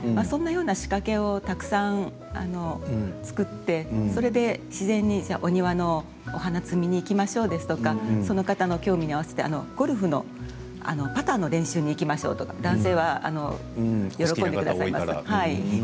そんなような仕掛けをたくさん作ってそれで、自然にお庭のお花摘みにいきましょうですとかその方の興味に合わせてゴルフのパターの練習に行きましょうとか男性は喜んでくださいます。